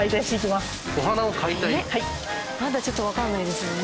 まだちょっとわからないですね。